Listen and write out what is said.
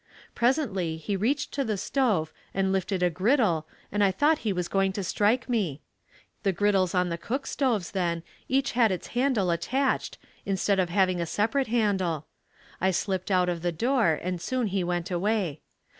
Presently he reached to the stove and lifted a griddle and I thought he was going to strike me. The griddles on the cook stoves then, each had its handle attached instead of having a separate handle. I slipped out of the door and soon he went away.